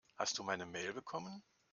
Hast du meine Mail bekommen?